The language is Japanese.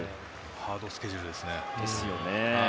ハードスケジュールです。